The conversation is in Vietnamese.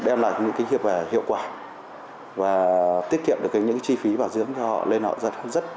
đem lại những kinh nghiệm hiệu quả và tiết kiệm được những chi phí bảo dưỡng cho họ nên họ rất